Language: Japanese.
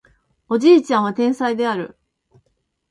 おじいちゃんは天才である